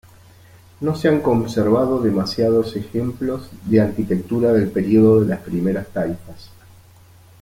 No se han conservado demasiados ejemplos de arquitectura del periodo de las primeras taifas.